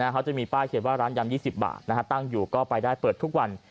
เขาจะมีป้ายเขียนว่าร้านยำ๒๐บาทตั้งอยู่ก็ไปได้เปิดทุกวัน